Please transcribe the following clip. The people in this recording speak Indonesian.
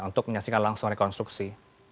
untuk menyaksikan langsung rekonstruksi